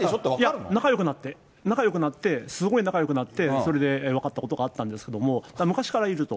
仲よくなって、すごい仲よくなって、それで分かったことがあったんですけれども、昔からいると。